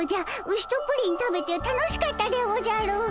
ウシとプリン食べて楽しかったでおじゃる。